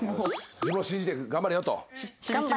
自分を信じて頑張れよと。